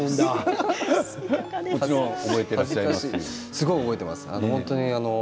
すごい覚えてます。